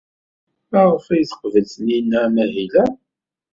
Maɣef ay teqbel Taninna amahil-a?